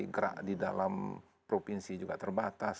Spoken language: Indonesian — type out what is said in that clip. gerak di dalam provinsi juga terbatas